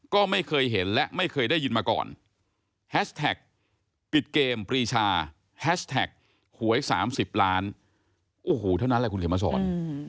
ก็ไม่เคยเห็นและไม่เคยได้ยินมาก่อนแฮชแท็กปิดเกมปรีชาแฮชแท็กหวย๓๐ล้านโอ้โหเท่านั้นแหละคุณเขียนมาสอน